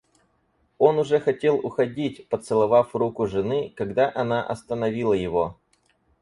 Он уже хотел уходить, поцеловав руку жены, когда она остановила его.